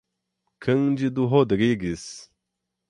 Cândido Rodrigues